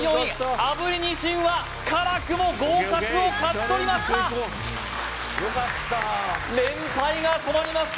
炙りにしんは辛くも合格を勝ち取りました連敗が止まりました